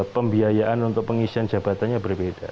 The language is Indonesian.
pembiayaan untuk pengisian jabatannya berbeda